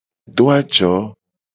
Do ajo.